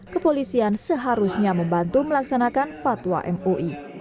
kepolisian seharusnya membantu melaksanakan fatwa mui